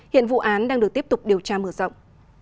hiện vụ án đang được tiếp tục điều tra mở rộng